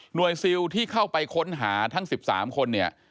ซิลที่เข้าไปค้นหาทั้ง๑๓คนเนี่ย